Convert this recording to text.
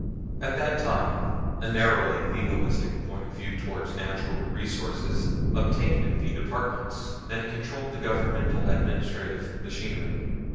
At that time a narrowly legalistic point of view toward natural resources obtained in the Departments, and controlled the Governmental administrative machinery.